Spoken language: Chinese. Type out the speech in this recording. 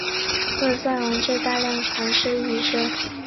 何塞还致使大量船只遗失。